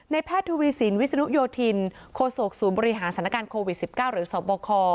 แพทย์ทวีสินวิศนุโยธินโคศกศูนย์บริหารสถานการณ์โควิด๑๙หรือสบค